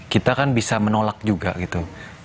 kita kan bisa menolak juga gitu